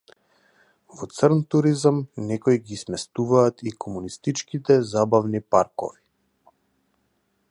Во црн туризам некои ги сместуваат и комунистичките забавни паркови.